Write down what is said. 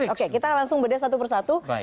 oke kita langsung bedah satu persatu